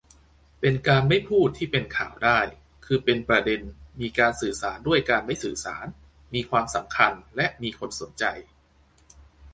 เป็นการ'ไม่พูด'ที่เป็นข่าวได้ คือเป็นประเด็น มีการสื่อสารด้วยการไม่สื่อสาร มีความสำคัญ และมีคนสนใจ